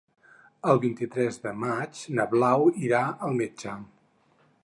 El vint-i-tres de maig na Blau irà al metge.